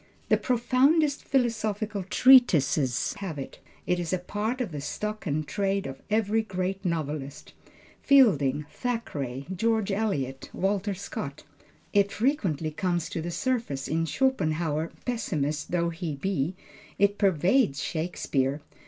The profoundest philosophical treatises have it. It is a part of the stock in trade of every great novelist; Fielding, Thackeray, George Eliot, Walter Scott. It frequently comes to the surface in Schopenhauer pessimist though he be; it pervades Shakespeare.